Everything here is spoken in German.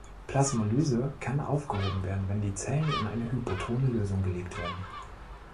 Plasmolyse kann aufgehoben werden, wenn die Zelle in eine hypotone Lösung gelegt wird.